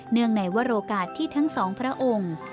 เนื่องในวโรกาสที่ทั้ง๒พระองค์